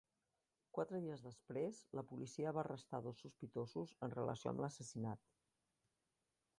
Quatre dies després, la policia va arrestar dos sospitosos en relació amb l'assassinat.